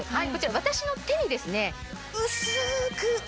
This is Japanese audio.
私の手にですね薄く。